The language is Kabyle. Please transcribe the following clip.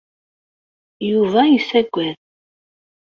Yuba yessagad.